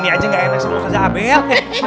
ini aja gak enak sama ustazah abel